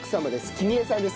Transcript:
君恵さんです。